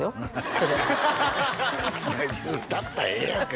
それ大丈夫だったらええやんか